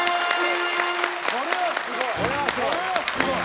これはすごい。